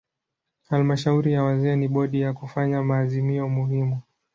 Halmashauri ya wazee ni bodi ya kufanya maazimio muhimu.